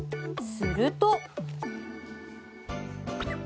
すると。